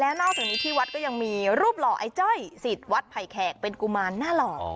นอกจากนี้ที่วัดก็ยังมีรูปหล่อไอ้จ้อยสิทธิ์วัดไผ่แขกเป็นกุมารหน้าหล่อ